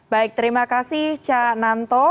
baik terima kasih cak nanto